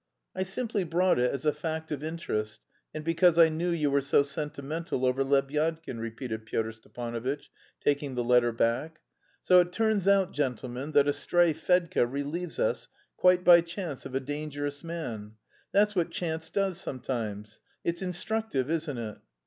"I simply brought it as a fact of interest and because I knew you were so sentimental over Lebyadkin," repeated Pyotr Stepanovitch, taking the letter back. "So it turns out, gentlemen, that a stray Fedka relieves us quite by chance of a dangerous man. That's what chance does sometimes! It's instructive, isn't it?"